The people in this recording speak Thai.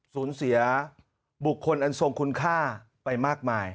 สูญเสียบุคคลอันทรงคุณค่าไปมากมาย